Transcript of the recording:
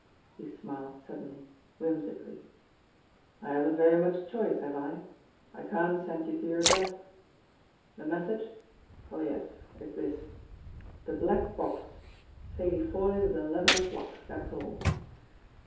He smiled suddenly, whimsically. "I haven't very much choice, have I ? I can't send you to your death. The message ? Oh, yes ! It's this : The black box. Sadie Foy's at eleven o'clock. That's all."